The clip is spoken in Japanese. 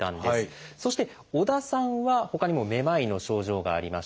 そして織田さんはほかにもめまいの症状がありました。